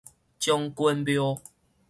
將軍廟